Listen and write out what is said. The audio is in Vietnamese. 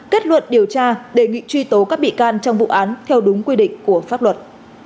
kết luận điều tra đề nghị truy tố các bị can trong vụ án theo đúng quy định của pháp luật